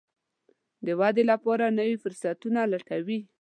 د ودې لپاره نوي فرصتونه لټوي.